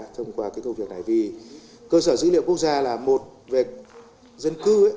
thông qua cái công việc này vì cơ sở dữ liệu quốc gia là một về dân cư